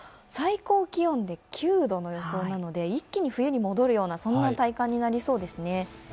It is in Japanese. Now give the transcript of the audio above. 最高気温で９度の予想なので一気に冬に戻るような体感になりそうですね。